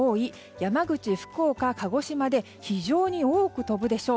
山口、福岡鹿児島で非常に多く飛ぶでしょう。